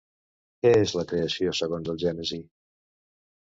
Què és la Creació segons el Gènesi?